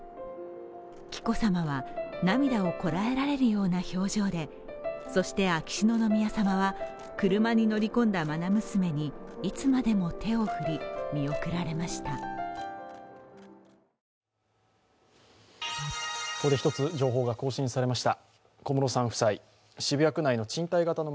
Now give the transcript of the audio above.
紀子さまは涙をこらえられるような表情でそして、秋篠宮さまは車に乗り込んだまな娘にいつまでも手を振り見送られました。